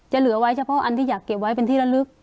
เหลือไว้เฉพาะอันที่อยากเก็บไว้เป็นที่ละลึก